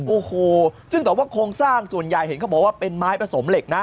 โอ้โหซึ่งแต่ว่าโครงสร้างส่วนใหญ่เห็นเขาบอกว่าเป็นไม้ผสมเหล็กนะ